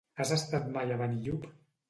Has estat mai a Benillup?